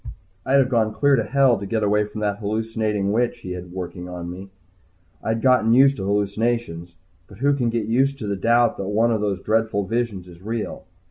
I'd have gone clear to Hell to get away from that hallucinating witch he had working on me. I'd gotten used to hallucinations but who can get used to the doubt that one of those dreadful visions is real?